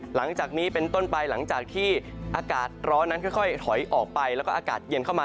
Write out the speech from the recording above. หลังจากนี้เป็นต้นไปหลังจากที่อากาศร้อนนั้นค่อยถอยออกไปแล้วก็อากาศเย็นเข้ามา